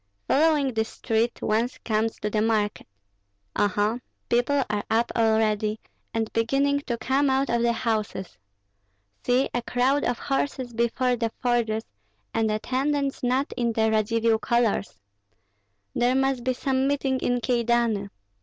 Following this street, one comes to the market. Oho! people are up already, and beginning to come out of the houses. See, a crowd of horses before the forges, and attendants not in the Radzivill colors! There must be some meeting in Kyedani.